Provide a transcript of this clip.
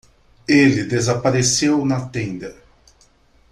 Ele desapareceu na tenda.